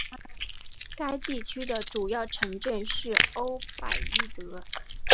该地区的主要城镇是欧拜伊德。